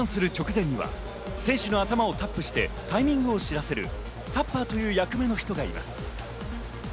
そしてターンする直前には選手の頭をタップしてタイミングを知らせるタッパーという役目の人がいます。